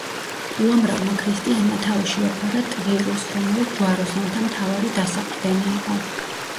უამრავმა ქრისტიანმა თავი შეაფარა ტვიროსს, რომელიც ჯვაროსანთა მთავარი დასაყრდენი იყო.